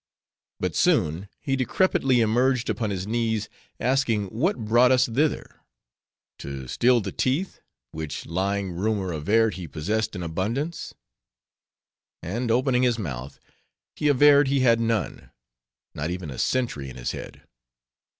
But soon he decrepitly emerged upon his knees, asking what brought us thither?—to steal the teeth, which lying rumor averred he possessed in abundance? And opening his mouth, he averred he had none; not even a sentry in his head.